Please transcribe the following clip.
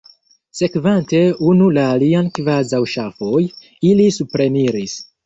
Sekvante unu la alian kvazaŭ ŝafoj, ili supreniris.